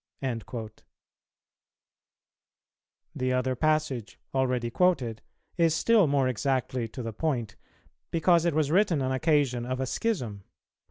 "[282:4] The other passage, already quoted, is still more exactly to the point, because it was written on occasion of a schism.